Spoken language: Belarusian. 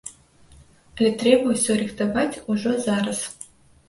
Але трэба ўсё рыхтаваць ужо зараз.